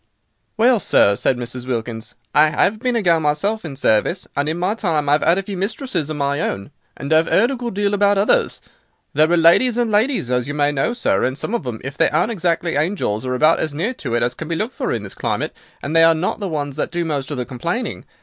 "Well, sir," said Mrs. Wilkins, "I 'ave been a gal myself in service; and in my time I've 'ad a few mistresses of my own, and I've 'eard a good deal about others. There are ladies and ladies, as you may know, sir, and some of them, if they aren't exactly angels, are about as near to it as can be looked for in this climate, and they are not the ones that do most of the complaining.